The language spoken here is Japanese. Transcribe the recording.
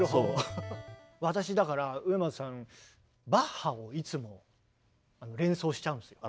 私だから植松さんバッハをいつも連想しちゃうんですよ。